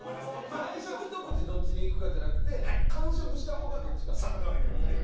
最初の一口どっちにいくかじゃなくて、完食したほうがどっちかという。